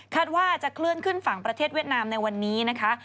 ว่าจะเคลื่อนขึ้นฝั่งประเทศเวียดนามในวันนี้นะคะ